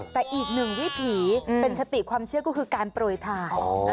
แต่อีกหนึ่งวิถีเป็นคติความเชื่อก็คือการโปรยทาน